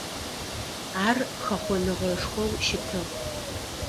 Ар хэхъоныгъэшхоу щытыгъ.